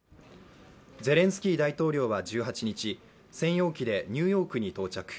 ゼレンスキー大統領は１８日、専用機でニューヨークに到着。